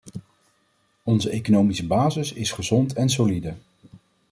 Onze economische basis is gezond en solide.